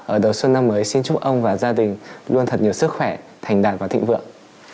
ở đầu xuân năm mới xin chúc ông và gia đình luôn thật nhiều sức khỏe thành đạt và thịnh vượng